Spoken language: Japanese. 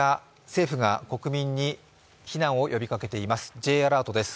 政府が国民に避難を呼びかけています。